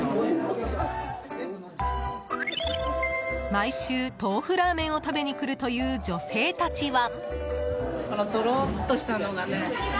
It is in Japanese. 毎週、豆腐ラーメンを食べに来るという女性たちは。